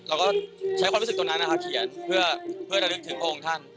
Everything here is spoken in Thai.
เราก็ใช้ความรู้สึกตรงนั้นนะครับเขียนเพื่อระลึกถึงพระองค์ท่าน